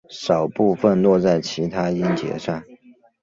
少部分落在其它音节上。